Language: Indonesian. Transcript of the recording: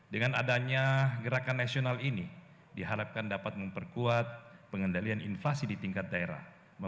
dengan adanya gerakan nasional ini diharapkan dapat memperkuat pengendalian inflasi di tingkat daerah